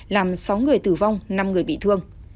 làm sáu người tử vong năm người bị thương